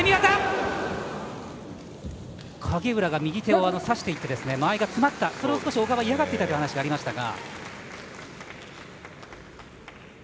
影浦が右手をさしていって間合いが詰まった、小川が嫌がったという話がありましたが。